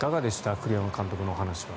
栗山さんのお話は。